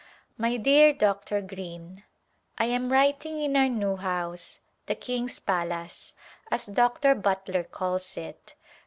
My dear Dr. Greene : I am writing in our new house, " The King's Palace," as Dr. Butler calls it.